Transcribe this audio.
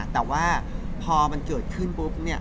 แต่ว่าพอมันเกิดขึ้นปุ๊บเนี่ย